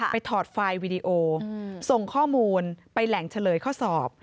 ถอดไฟล์วีดีโอส่งข้อมูลไปแหล่งเฉลยข้อสอบ